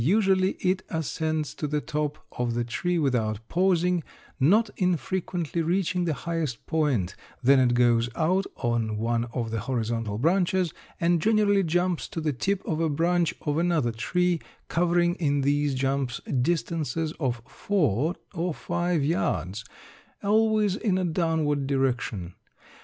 Usually it ascends to the top of the tree without pausing, not infrequently reaching the highest point; then it goes out on one of the horizontal branches and generally jumps to the tip of a branch of another tree, covering in these jumps distances of four or five yards, always in a downward direction.